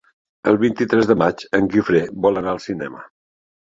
El vint-i-tres de maig en Guifré vol anar al cinema.